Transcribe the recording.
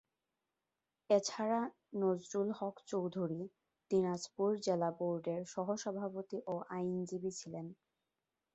এছাড়া নুরুল হক চৌধুরী দিনাজপুর জেলা বোর্ডের সহসভাপতি ও আইনজীবী ছিলেন।